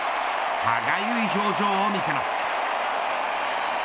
歯がゆい表情を見せます。